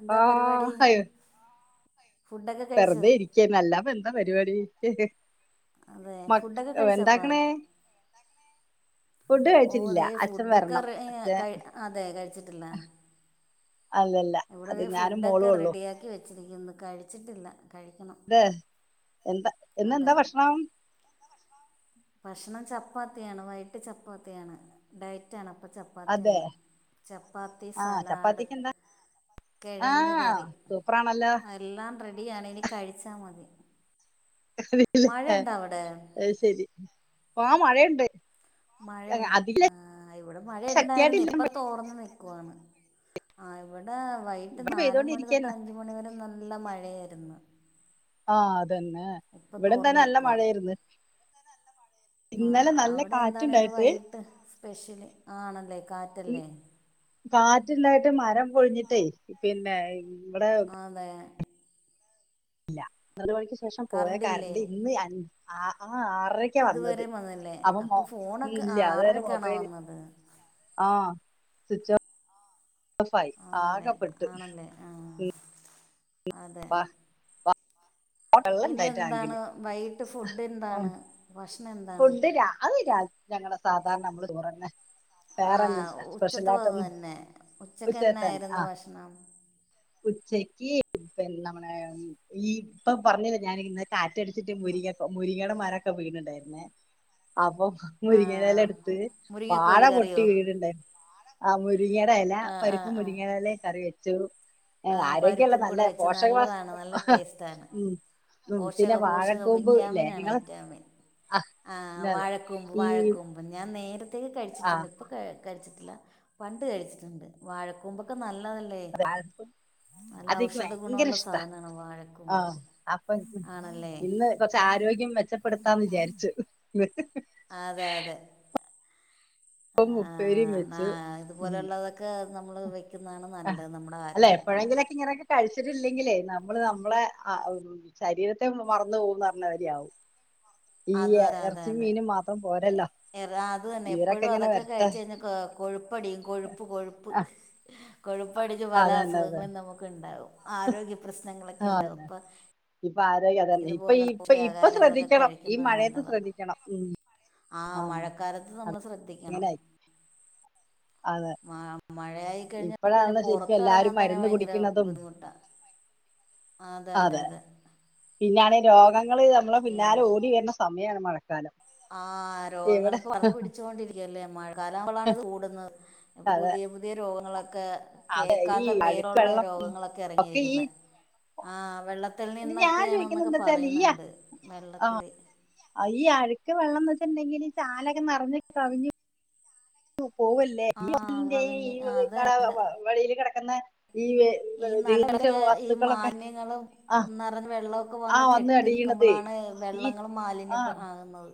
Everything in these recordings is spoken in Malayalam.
എന്താ ആഹ് പരിപാടി ഹയോ ഫുഡൊക്കെ കഴിച്ചോ വെറ്തെ ഇരിക്ക്യന്നെ അല്ലാപ്പന്താ പരിവാടി അതെ മക് ഫുഡൊക്കെ അവ്വേ കഴിച്ചപ്പാ എന്താക്ക്ണേ ഫുഡ് ഓ കഴിച്ചിലില്ലാ ദേ അച്ഛൻ ഫുഡൊക്കെ വരണം റെ- ഏ, അച്ഛാ കഴി- അതെ അതെൽ ഇവടദേ ഫുഡൊക്കെ റെഡിയാക്കി വെച്ചിരിക്ക്യുന്ന് കഴിച്ചിട്ടില്ല കഴിക്കണം തെ എന്താ അതെ ഇന്നെന്താ ഭക്ഷണം ഭക്ഷണം ചപ്പാത്തിയാണ് വൈട്ട് ചപ്പാത്തിയാണ് ഡയറ്റാണ് അപ്പൊച അതെ ചപ്പാത്തിയാണ് ചപ്പാത്തി ആഹ് സലാഡ് ചപ്പാത്തിക്ക് എന്താ കിഴങ്ങ് ആഹ് കറി സൂപ്പറാണല്ലോ എല്ലാം റെഡിയാണേ ഇനി കഴിച്ചാമതി അല്ല അവിടെ അത്ശരി ആഹ് മഴേണ്ട് മഴേണ്ടാ ആഹ് ഇവടെ മഴണ്ടാര്ന്നു ശക്തിയായിട്ടില്ല ഇപ്പ തോർന്ന്ണ് ക്കൊആന്ന് ആഹ് ഇവടെ വൈട്ട് ഇവിടെ നാലുമണി തൊട്ട് പെയ്തോണ്ടിരിക്കന്നെ അഞ് മണിവരം നല്ല മഴയാര്ന്ന് ആഹ് അതന്നെ ഇവിടിം തോർന്ന് തന്നെ അല്ല നിക്കുവാ മഴേര്ന്ന് ആ ഇന്നലെ നല്ല കാറ്റ്ണ്ടായിട്ട് സ്പെഷല് ആണല്ലേ കാ ഈ കാറ്റ്ണ്ടായിട്ട് മരം പൊഴിഞ്ഞിട്ടേയ് പിന്നെ ഇംവടെ അതെ ഇല്ല ഒര് മണിക്ക് ശേഷം പോയ കറണ്ടില്ലേ കാര്ണ്ട് ഇന്ന് അഞ്ച് ആഹ് ആഹ് ആറ്ര ഇതുവരെ ക്ക്യാവന്നത് വന്നില്ലേ അപ്പൊ മോ ഫോണൊക്കെ ആ ഈല്ല അദേരം ആറരക്കാണോ മൊബൈല് വന്നത് ആഹ് സ്വിച്ച് ഓഫ് ഫായ് ആണല്ലേ ആകപ്പെട്ട് ആണല്ലേ ആ അതെ ബഹളം പിന്നെ ഇണ്ടായി എന്താണ് ടാങ്കില് വൈകീട്ട് ഫുഡ് എന്താണ് ഭക്ഷണം എന്താ ഫുഡ് രാ അത് രാ ഞങ്ങളെ സാധാര്ണ നമ്മള് ചോറന്നെ ആ പേറെന്നെല്ലേ ഉച്ചത്തെ പതിവ് സ്പെഷ്യലായ്ട്ടൊന്നും ഉച്ചേത്തന്നെ ആഹ് ശ്ണം ഉച്ചേക്കി പിന്ന നമ്മളെ ഈ ഇപ്പൊ പറഞ്ഞില്ല ഞാനി ഇന്ന് കാറ്റട്ച്ചിട്ട് മുരിങ്ങ്യകോ മുരിങ്ങേടെമരക്കെ വീണ്ട്ടേന്നെ അപ്പൊ ആ മുരിങ്ങടല എടുത്ത് വാഴ മുരിങ്ങക്കോല് കറിയോ പൊട്ടി വീണ് ണ്ടാ ആഹ് മുരിങ്ങേട എല ആ പ്പരിപ്പും മുരിങ്ങേലേ കറി വെച്ചു ആഹ് പരിപ്പുങ്കൂടെ വെച്ച് നല്ലതാണ് നല്ല ടേസ്റ്റാണ് ഉം ഉം പോഷക പിന്നെ പോഷക വാഴക്കൂമ്പ് ഇല്ലേ വിറ്റാമിൻ ആണ് നിങ്ങള് വിറ്റാമിൻ ആ ആഹ് പിന്നത് വാഴക്കൂമ്പ് ഈ വാഴക്കൂമ്പ് ഞാൻ നേരത്തേ ആ കഴിച്ചിട്ടുണ്ട് ഇപ്പൊ കഴിച്ചിട്ടില്ല പണ്ട് കഴിച്ചിട്ടുണ്ട് വഴക്കൂമ്പൊ ക്കെ നല്ലതല്ലേ നല്ല അത് എനിക്ക് ഔഷധ ഭയങ്കര ഗുണമുള്ള ഇഷ്ടാ സാധനമാണ് ആഹ് വാഴക്കൂമ്പൊക്കെ അപ്പൊ ആണല്ലേ ഇന്ന് കുറച്ച് ആരോഗ്യം മെച്ചപ്പെടുത്താന്ന് വിചാരിച്ചു അതെ അതെ ഇപ്പം മുപ്പേരിയും വെച്ച് അതുപോലെയുള്ളതൊക്കെ നമ്മള് വെക്കുന്നതാണ് നല്ലത് നമ്മുടെ അല്ലെ ആരോഗ്യത്തിന് എപ്പോഴെങ്കിലൊക്കെ ഇങ്ങനെയൊക്കെ കഴിച്ചിട്ടില്ലെങ്കിലേ നമ്മള് നമ്മളെ ശരീരത്തെ മറന്ന് പോകുംന്ന് പറഞ്ഞ മാതിരിയാവും അ ഈ ഇറച്ചിയും മീനും മാത്രം പോരല്ലോ എറ അത് തന്നെ ഇവരൊക്കെ എപ്പോഴും ഇങ്ങനെ അതൊക്കെ വരട്ടെ കഴിച്ച് കഴിഞ്ഞാൽ കൊഴുപ്പടിയും കൊഴുപ്പ് കൊഴുപ്പ് ആ കൊഴുപ്പ് അടിച്ചു പല അതന്നെ അതന്നെ അസുഖങ്ങളും നമുക്ക് ഉണ്ടാവും ആരോഗ്യ പ്രശ്നങ്ങളൊക്കെ ഉണ്ടാവും അപ്പോ ഇപ്പൊ ആരോഗ്യം അതന്നെ ഇപ്പൊ ഇതുപോലെ ഇപ്പൊ പുതിയ ഇപ്പൊ ആഹാരങ്ങളൊക്കെ ശ്രദ്ധിക്കണം ഈ കഴിക്കുന്നത് മഴയത്ത് നല്ലതാണ് ശ്രദ്ധിക്കണം ആ മഴക്കാലത്ത് നമ്മൾ ശ്രദ്ധിക്കണം അങ്ങനെ അതെ ആഹ് മഴയായിക്കഴിഞ്ഞാ പിന്നെ ഇപ്പഴാണല്ലോ ശരിക്കും പുറത്തിറങ്ങാൻ എല്ലാരും തന്നെ മരുന്ന് ഭയങ്കര കുടിക്കണതും ബുദ്ധിമുട്ടാ അതെ അതെ അതെ പിന്നെയാണെ രോഗങ്ങള് നമ്മള് പിന്നാലെ ഓടി വരുന്ന സമയമാണ് മഴക്കാലം ആ എവിടെ രോഗങ്ങളിപ്പോ പടർന്ന് പിടിച്ചുകോണ്ടിരിക്കല്ലേ മഴക്കാലം ആകുമ്പോളാണ് ഇത് കൂടുന്നത് ഇപ്പൊ അതെ പുതിയ പുതിയ രോഗങ്ങളൊക്കെ അതെ കേൾക്കാത്ത പേരുള്ള വെള്ളൊക്കെ രോഗങ്ങളൊക്കെ ഈ ഇറങ്ങിയിരിക്കുന്നേ ആ വെള്ളത്തിൽ അല്ല ഞാൻ നിന്നൊക്കെയാണെന്ന് ചോദിക്കുന്നത് എന്നൊക്കെ എന്താ വെച്ചാൽ ഈ പറയുന്നുണ്ട് വെള്ളത്തില് ഈ അഴുക്ക് വെള്ളംന്ന് വെച്ചിട്ടുണ്ടെങ്കിൽ ചാലൊക്കെ നിറഞ്ഞ് കവിഞ്ഞു പോവല്ലേ [inaudible] ഈ ആഹ് കവിഞ്ഞ് ആഹ് അതെ കട വഴിൽ കിടക്കുന്ന ഈ ഈ വെ- ജീർണിച്ച നല്ലതൊക്കെ ഈ വസ്തുക്കളൊക്കെ മാലിന്യങ്ങളും ആ ഒന്നാമത് വെള്ളമൊക്കെ ആ വന്ന് കെട്ടി അടിയണത് നിൽക്കുമ്പോഴാണ് ഈ വെള്ളങ്ങൾ മാലിന്യം ആകുന്നത്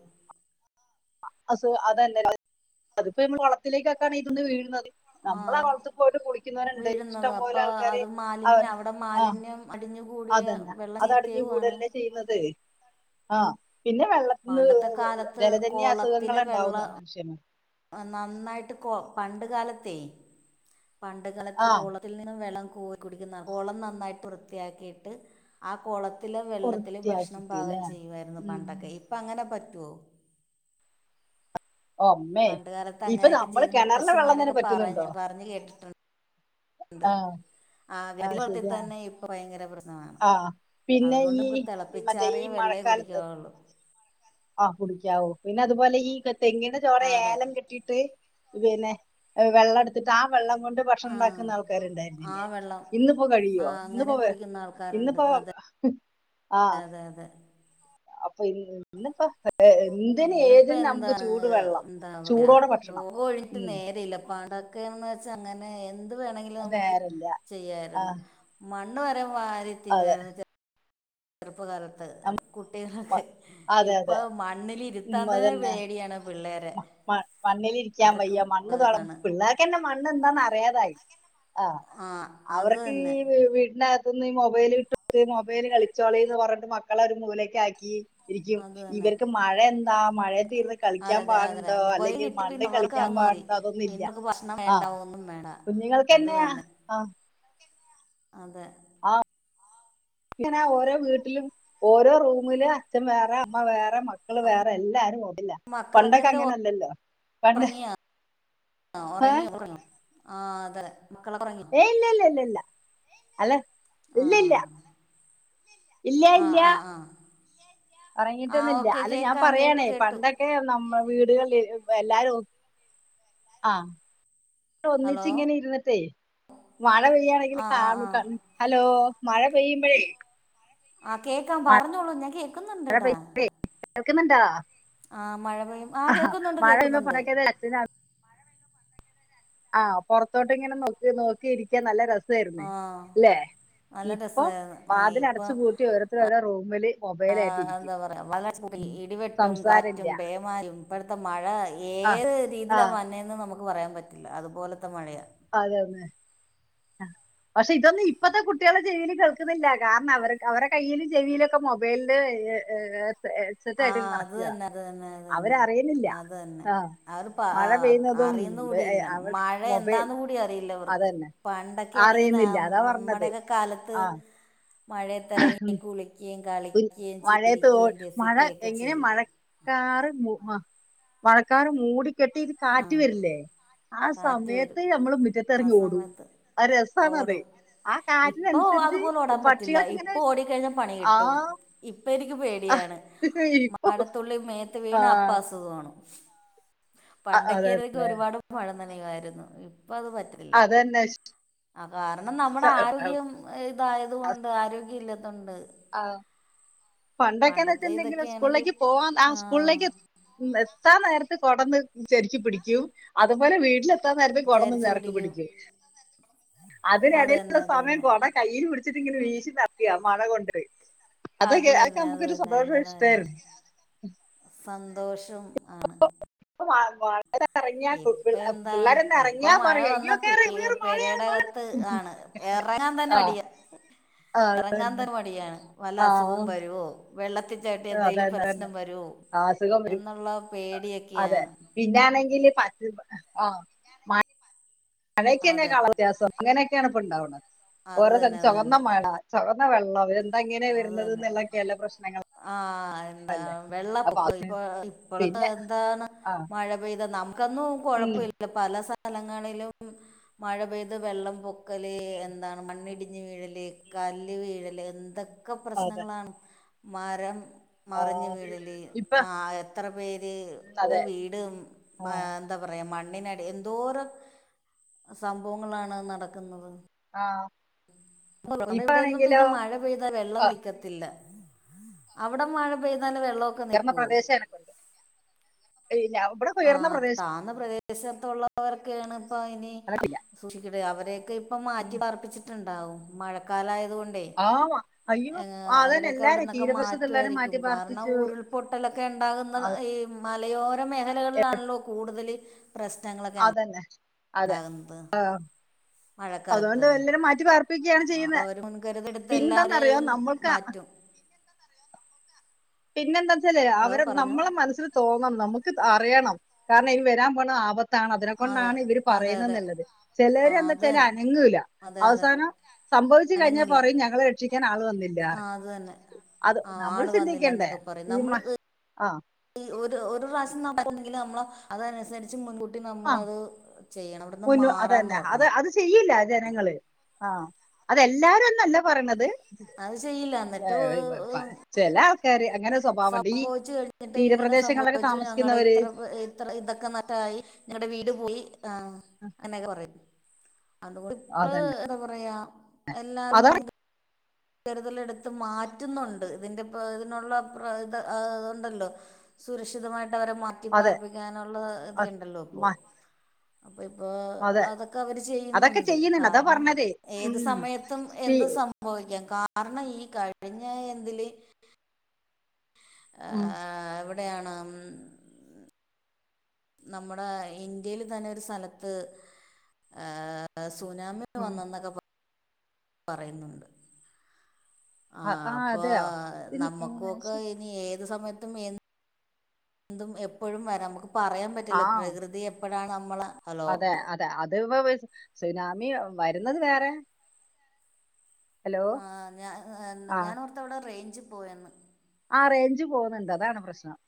അ അതന്നെ അതിപ്പോ നമ്മ കുളത്തിലേക്കൊക്കാണ് ഇത് വന്ന് വീഴുന്നത് നമ്മുള് ആഹ് കുളത്തി പോയിട്ട് കുളിക്കുന്നവരുണ്ട് വീഴുന്നത് ഇഷ്ടംപോലെ അപ്പൊ ആൾക്കാര് അത് അവ മാലിന്യം അവിടെ ആഹ് മാലിന്യം അടിഞ്ഞുകൂടിയ അതന്നെ വെള്ളം അതടിഞ്ഞു ചീത്തയാവാണ് കൂടെല്ലെ ചെയ്യുന്നത് ആ പിന്നെ വെള്ള ഒന്ന് പണ്ടത്തെ കാലത്ത് ജലജന്യ അസുഖങ്ങൾ കുളത്തിലെ ഉണ്ടാവുന്നു വെള്ളം മനുഷ്യന് നന്നായിട്ട് പണ്ട് കാലത്തേ പണ്ട് കാലത്ത് ആ കുള ത്തിൽ നിന്നും വെള്ളം കോരി കുടിക്കുന്ന കുളം നന്നായിട്ട് വൃത്തിയാക്കിയിട്ട് ആ കുള ത്തിലെ വെള്ളത്തില് ഭക്ഷണം വൃത്തിയാക്കിട്ട് ല്ലേ പാകം ചെയ്യുവായിരുന്നു ഉം പണ്ടൊക്കെ ഇപ്പ അങ്ങനെ പറ്റുവോ ഒമ്മേ പണ്ട് കാലത്ത് ഇപ്പൊ അങ്ങനെയൊക്കെ നമ്മള് ചെയ്ത് കിണറിലെ വെള്ളം തന്നെ മുത്തശ്ശിമാരൊക്കെ പറ്റുന്നുണ്ടോ പറഞ്ഞ് പറഞ്ഞ് കേട്ടിട്ടുണ്ട് ഇണ്ട് ആ ആ വെള്ളത്തി തന്നെ ഇപ്പ ഭയങ്കര പ്രശ്ന ആഹ് ആ പിന്നെ അതുകൊണ്ട് ഈ ഇപ്പോ ഈ മറ്റേ ഈ തിളപ്പിച്ചാറിയ വെള്ളേ മഴക്കാലത്ത് കുടിക്കുകയുള്ളു ആ കുടിക്കാവോ പിന്നെ അതുപോലെ ഈ തെങ്ങിന്റെ ചോടെ അതെ ഏലം കെട്ടീട്ട് പിന്നെ വെള്ളം എടുത്തിട്ട് ആ വെള്ളം കൊണ്ട് ഭക്ഷണം ആഹ് ഉണ്ടാക്കുന്ന ആൾക്കാർ ആ ഉണ്ടായിരുന്നില്ലേ വെള്ളം ഇന്നിപ്പോ ആ കഴിയോ അങ്ങനെ ഇന്നിപ്പോ കുടിക്കുന്ന ആൾക്കാരുണ്ട് ഇന്നിപ്പോ അതെ ആ അതെ അതെ അപ്പൊ ഇന്നിപ്പ ഇന്നിപ്പോ എന്താണ് എന്താ പറയാ ചൂടോടെ ഭക്ഷണം രോഗം ഒഴഞ്ഞിട്ട് ഉം നേരെ ഇല്ല പാ ക്കണെന്ന് വെച്ചാ അങ്ങനെ എന്ത് വേണെങ്കിലും അത് നമുക്ക് നേരല്ല ആ ചെയ്യായിരുന്നു മണ്ണ് വരെ വാരി അതെ തിന്നുമായിരുന്നു ചെറുപ്പ കാലത്ത് ത്ത് അഹ് കുട്ടികളൊക്കെ അതെ ഇപ്പൊ അതെ മണ്ണിലിരുത്താൻ തന്നെ പേടിയാണ് പിള്ളേരെ മ മ മണ്ണിലിരിക്കാൻ അത്രക്കും വയ്യ മണ്ണ് തെളം ഇതാണ് പിള്ളേര് ക്കെന്നെ മണ്ണെന്താന്ന് അറിയാതായി ആഹ് ആ അത് അവർക്കീ തന്നെ വി വീട്ടിനക തിന്ന് ഈ മൊബൈല് ഇട്ട് കൊടുത്ത് മൊബൈല് കളിച്ചോളീന്ന് പറഞ്ഞിട്ട് മക്കളെ ഒരു മൂലേക്ക് ആക്കി ഇരിക്കും അത് തന്നെ ഇവർക്ക് മഴയെന്താ മഴയത്തിരുന്ന് കളിക്ക്‌ അതെ അതെ അതെ പാടുണ്ടോ മൊബൈൽ അല്ലെങ്കിൽ കിട്ടി മണ്ണി പിന്നെ അവർക്ക് കളിക്കാൻ അത് മതി പാടുണ്ടോ അതൊന്നും ഇല്ല പിന്നെക്ക് ഭക്ഷണം വേണ്ട ആഹ് ഒന്നും വേണ്ട അത് കുഞ്ഞുങ്ങൾക്കന്നെ ആഹ് തന്നെ ആഹ് അതെ ആഹ് ഇങ്ങനാ ഓരോ വീട്ടിലും ഓരോ റൂമില് അച്ഛൻ വേറെ അമ്മ വേറെ മക്കള് അപ്പം വേറെ എല്ലാരും ഓ ഇല്ലാ മക്കളൊക്കെ പണ്ടൊക്കെ എന്താ അങ്ങനല്ലല്ലോ പണ്ട് ആഹ് ഏ ഒറങ്ങി ഒറങ്ങി ആഹ് അതെ മക്കളൊക്കെ ഒറങ്ങി ഏ ഇല്ല ഇല്ല ഇല്ല ഇല്ല അല്ല ഇല്ല ആഹ് ഇല്ല ആഹ് ആഹ് ആഹ് ഒറങ്ങീട്ടൊന്നൂല്ല അല്ല ഞാൻ കേട്ടു പറയാണേ കേട്ടു പണ്ട ക്കെ നമ്മ വീടുകളിൽ എല്ലാരും ആഹ് ഹലോ ഒന്നിച്ച്ങ്ങനെ ഇര്ന്നിട്ടേ മഴ ആ പെയ്യാണെങ്കില് ആ ആ കാണു കൺ ഹലോ മഴ പെയ്യുമ്പഴെ ആഹ് കേക്കാം പറഞ്ഞോളൂ ഞാൻ കേ മഴ പെയ്യ്മ്പഴേ കേൾക്ക്ന്ന്ണ്ടാ ആ മഴ പെയ്യും ആ കേൾക്കുന്നുണ്ട് മഴ പെയ്യുമ്പൊ കേൾക്കുന്നുണ്ട് [unintelligible] അച്ചനാ ആഹ് പൊറത്തോട്ട്ങ്ങനെ നോക്ക് നോക്കിരിക്കാൻ നല്ല രസായിര്ന്ന് ആ ല്ലേ നല്ല ഇപ്പം രസമായിരുന്നു വാതിലടച്ച് ഇപ്പം പൂട്ടി ഓരോര്ത്തരോരോ റൂമില് മൊബൈലായിട്ടിരിക്കും പ്പം ഇ ഇടിവെട്ടും കാറ്റും പേമാരിം ഇപ്പഴത്തെ മഴ ആ ഏത് ആ രീതീലാ വര്ണേന്ന് നമു ക്ക് പറയാൻ പറ്റില്ല അത് പോലത്തെ മഴയാ അതന്നെ ആഹ് പക്ഷെ ഇതൊന്നും ഇപ്പത്തെ കുട്ടികള് ചെവീല് കേൾക്ക്ന്നില്ല കാരണം അവര് അവരെ കയ്യിലും ചെവീലൊക്കെ മൊബൈൽന്റെ എഹ് ഏഹ് തേ ആഹ് അത് തന്നെ അത് തന്നെ അത് തന്നെ അവരറിയുന്നില്ല അതന്നെ ആ അവര്പ്പാ മഴ പെയ്യുന്നതും അറിയു ന്നൂടില്ല അവർക്ക് മഴ മൊബൈൽ എന്താന്ന് കൂടി അറിയില്ലവർക്ക് അതന്നെ പണ്ടൊക്കെ ആണെങ്കി അറിയുന്നില്ല നമ് അതാ പറഞ്ഞത് നമ്മടക്കെ കാലത്ത് ആ മഴയത്തെറങ്ങി കുളി ക്കേം കളിക്കേം ചീരിക്കേം രസി എങ്ങനെയാ മഴക്കാറ് മു അഹ് മഴക്കാറ് മൂടിക്കെട്ടി കാറ്റ് ആഹ് വെര്ല്ലേ ആ കാറ്റ് വരും സമയത്ത് നമ്മള് ആ മുറ്റത്തെറങ്ങി ഓടും അത് രസാണത് ആ ഇപ്പൊ അത് കാറ്റിനനുസരിച്ച് പോലെ ഓടാൻ പറ്റില്ല പക്ഷികൾക്ക് ഇങ്ങനെ ഇപ്പോടിക്കഴിഞ്ഞാ പണി ആ കിട്ടും ഇപ്പെനിക്ക് പേടിയാണ് ഇപ്പൊ മഴത്തുള്ളി മേത്ത് ആ വീണാ അപ്പസുഖാണ് അ- അ- പണ്ടെക്കെയാര്ന്ന്ങ്കി ഒരുപാട് മഴ നനയുവാര്ന്നു ഇപ്പത് പറ്റ അതന്നെ ആഹ് കാരണം നമ്മടെ ആരോഗ്യം ഇതായത് കൊണ്ട് ആരോഗ്യല്ലാത്തോണ്ട് ആഹ് പണ്ടൊക്കെന്ന് വെച്ചന്തെങ്കില് ഇതൊക്കെയാണെങ്കിൽ സ്കൂളിലേക്ക് പോവാൻ ആ ആഹ് സ്കൂളിലേക്ക് ഉം എത്താൻ നേരത്ത് കൊടൊന്ന് ശെരിക്ക് പിടിക്കും അത് പോലെ വീട്ടില് ത്താൻ നേരത്ത് കൊടൊന്ന് നേർക്ക് പിടിക്കും അത് തന്നെ അതിനെടയിലുള്ള അത് സമയം തന്നെ കൊട കയ്യില് പിടിച്ചിട്ട്ങ്ങനെ വീശി നടക്കാ മഴ കൊണ്ട് അത് അതൊക്കെ തന്നെ അത് നമുക്കൊരു തന്നെ സന്തോഷം അങ്ങനെ തന്നെ ഇഷ്ടമായിരുന്നു സന്തോഷം ആണ് [unintelligible] ഞാൻ ഇപ്പെയെന്താണ് പിള്ളേരെന്ന് ഇപ്പൊ ഇറങ്ങിയാ മഴ പറയാ വന്ന അയ്യോ കേറി പെ വേറെ മഴ പെരേടകത്ത് ആണ് എറങ്ങാൻ തന്നെ ആ മടിയ എറങ്ങാൻ തന്നെ മടിയാണ് ആ വല്ല അസുഖം വരുവോ വെള്ളത്തി ചവ്ട്ടിയാ എന്തെങ്കിലും അതന്നെ പ്രശ്നം വരുവോ അസുഖം എന്ന്ള്ള പേടിയൊക്കെയാണ് പിന്നൊണെങ്കില് പ ആഹ് മഴക്കന്നെ അതെ കളറ് വ്യത്യാസം അങ്ങനെക്കെയാണ് ഇപ്പ ഇണ്ടാവ്ണത് അത് ഓരോ തന്നെ സ്ഥലത്ത് അത് ചൊവന്ന തന്നെ മഴ ചൊമന്ന വെള്ളം ഇതെന്താ ഇങ്ങനെ അത് വര്ന്നത് തന്നെ ഇന്ന്ള്ളേ എക്കെയില്ല പ്രശ്നങ്ങള് ആഹ് എന്താ വെള്ളപ്പൊക്കം ഇപ്പൊ ഇപ്പളത്തെ പിന്നെ എന്താണ് ആ മഴ പെയ്ത് നമുക്കൊന്നും ഉം, കൊഴപ്പയില്ല പല സ്ഥലങ്ങളിലും മഴ പെയ്ത് വെള്ളം പൊ ക്കല് ഉം, എന്താണ് മണ്ണിടിഞ്ഞ് വീഴല് ഉം. കല്ല് വീഴല് എന്തൊ ക്കെ അതെ പ്രശ്നങ്ങളാണ് മരം ആ മറിഞ്ഞ് വീഴല് ഇപ്പൊ നാ എത്ര പേര് ഉം, എന്ത അതെ വീട് ആ മ എന്താ പറയാ മണ്ണിനടി എന്തോരം സംഭവങ്ങളാണ് നടക്ക്ന്നത് ആഹ് നമ്മളിവിടെയൊന്നും പിന്നെ മഴ പെയ്ത വെള്ളം ആ, നിക്കത്തില്ല അവിടെ മഴ പെയ്താല് വെള്ള ഉയർന്ന പ്രദേശായിനെക്കൊണ്ട് ഇല്ല ആഹ് താന്ന പ്രദേശത്തുള്ളവർക്കേണ് ഇപ്പ ഇനി എനക്കില്ല സൂക്ഷിക്കണ്ട് അവരെയൊക്കെ ഇപ്പൊ ഇപ്പം ഉം. മാറ്റി പാർപ്പിച്ചിട്ട്ണ്ടാവും മഴക്കാലായത് കൊ ണ്ടേ ആഹ് അയ്യോ ആ, അതന്നെ അവരൊക്കെ എല്ലാരും അവിടുന്നൊക്കെ തീരപ്രദേശത്ത് എല്ലാരും മാറ്റുവായിരിക്കും മാറ്റി കാരണം പാർപ്പിച്ചു ഉരു ൾ പൊട്ടലൊക്കെ ഇണ്ടാകുന്ന അ- ഈ മലയോര മേഖലകളിലാണല്ലോ? കൂടുതല് പ്രശ്നങ്ങളെ ക്കെ തന്നെ അതെ ആഹ് അതുകൊണ്ട് മഴക്കാലത്ത് എല്ലരും മാറ്റി പാർപ്പിക്കുകയാണ് അപ്പോൾ ചെയ്യുന്നെ അവർ മുൻകരുതെടുത്ത് പിന്നെന്താന്നറിയോ എല്ലാവരെയും നമ്മൾക്കാ മാറ്റും പിന്നെന്തെച്ചാലെ ഹലോ അവരെ നമ്മളെ പറഞ്ഞോ മനസ്സി ന് തോന്നണം നമുക്ക് അറിയണം കാരണം ഈ വരാൻ പോണ ആപ ത്താണ് അതെ അതിനെക്കൊണ്ടാണ് ഇവര് അതെ പറയുന്നത് അതെ എന്നുള്ളത് ആ ചെലര് അത് എന്തച്ചാല് തന്നെ അനങ്ങൂല അതെ അതെ അവസാനം സംഭവിച്ചു കഴിഞ്ഞാ അനങ്ങില്ല പറയും ഞങ്ങളെ രക്ഷിക്കാൻ ആള് ആ വന്നില്ലാന്ന് അത് തന്നെ അത് ആ നമ്മള് ആള് ചിന്തി വന്നില്ല ക്കണ്ടേ ഈ മ ആഹ് ഈ ഒരു ഒരു പ്രാവശ്യം നമ്മക്കൊന്നെങ്കില് നമ്മളെ അതനുസരിച്ച് മുൻകൂട്ടി ആ നമ്മളത് ചെയ്യണം അവിടുന്ന് മുന്നു മാറാൻ അതന്നെ അത് നോക്കണം അത് ചെയ്യില്ല ജനങ്ങള് ആഹ് അതെല്ലാരും എന്നല്ല പറിയ്ണത് അത് ചെയില്ല എന്നിട്ട് ചെല ആൾക്കാര് അങ്ങനെ സ്വഭാവമുണ്ട് ഈ സംഭവിച്ചു കഴിഞ്ഞിട്ട് ഇങ്ങനെ തീരപ്രദേശങ്ങളിലൊക്കെ സംഭവിച്ചു ഞങ്ങളടെ താമസിക്കുന്നവര് ഇത്ര ഇത്ര ഇതൊക്കെ നശ്ട്ടായി ഞങ്ങടെ വീട് പോയി ആഹ് അങ്ങനെയൊക്കെ പറയും അതുകൊണ്ട് ഇപ്പ അതന്നെ എന്താ പറയാ എല്ലാരും അതാ മു ൻ കരുതലെടുത്ത് മാറ്റുന്നുണ്ട് ഇതിന്റെ ഇതിനുള്ള ഇത് ഇതുണ്ടല്ലോ സുരക്ഷിതമായിട്ട് അവരെ അതെ മാറ്റിപാർപ്പിക്കാനുള്ള അ- ഇതക്കെ ഇണ്ടല്ലോ ഇപ്പൊ? മ- അപ്പ ഇപ്പൊ അതെ അതൊക്കെ അവര് അതൊക്കെ ചെയ്യുന്നുണ്ട് അതാ കാരണം പറഞ്ഞതേ ഏത് ഉം സമയത്തും തീ- എന്തും സംഭവിക്കാം കാരണം ഈ കഴിഞ്ഞ എന്തില് ഉം ആഹ് എവിടെയാണ് മ്മ് നമ്മുടെ ഇന്ത്യയില് തന്നെ ഒരു സ്ഥലത്ത് ഏഹേ സുനാമി ഉം വന്നെന്നൊക്കെ പറയുന്നുണ്ട് അ- ആഹ് ആ അപ്പൊ അതെയോ ഇൻ- ഏ, നമ്മക്കൊക്കെ ശരി. ഇനി ഏത് സമയത്തും എ എന്തും എപ്പഴും വരാം നമുക്ക് പറയാൻ ആ പറ്റില്ല പ്രകൃതി എപ്പഴാണ് നമ്മളെ ഹലോ അതെ അതെ അത് ഇപ്പൊ സ് സുനാമി വരുന്നത് വേറെ ഹലോ ആഹ് ഞാൻ ആ ഞാനോർത്ത് അവ്ടെ റെയ്ഞ്ച് പോയെന്ന് ആഹ് റേഞ്ച് പോണ് ണ്ട് അതാണ് പ്രശ്നം